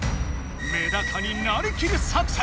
めだかになりきる作戦